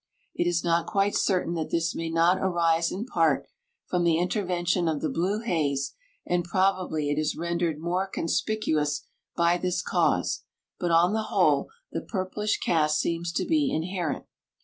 It is not quite certain that this may not arise in part from the intervention of the blue haze, and probably it is rendered more conspicuous by this cause; but, on the whole, the purplish cast seems to be inherent.